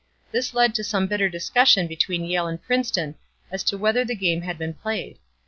This led to some bitter discussion between Yale and Princeton as to whether the game had been played.